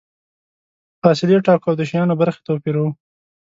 فاصلې ټاکو او د شیانو برخې توپیروو.